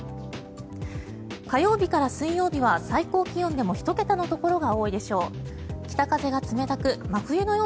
火曜日から水曜日は最高気温でも１桁のところが多いでしょう。